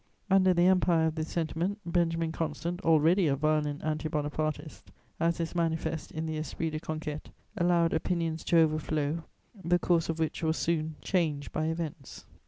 Under the empire of this sentiment, Benjamin Constant, already a violent Anti Bonapartist, as is manifest in the Esprit de conquête, allowed opinions to overflow the course of which was soon changed by events.